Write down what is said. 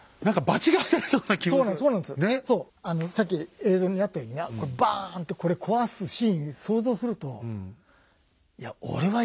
さっき映像にあったようにバーンってこれ壊すシーン想像するとハハハハハッ！